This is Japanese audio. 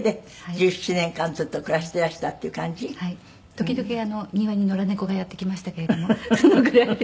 時々庭に野良猫がやって来ましたけれどもそのぐらいで。